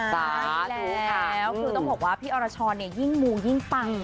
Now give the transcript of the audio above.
ใช่แล้วคือต้องบอกว่าพี่อรชรยิ่งมูยิ่งปัง